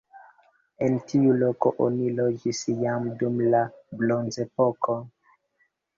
En tiu loko oni loĝis jam dum la bronzepoko.